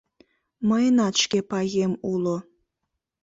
Мыйынат шке паем уло.